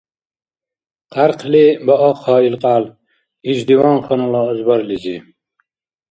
Хъярхъли баахъа ил кьял иш диванханала азбарлизи!